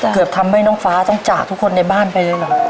เกือบทำให้น้องฟ้าต้องจากทุกคนในบ้านไปเลยเหรอ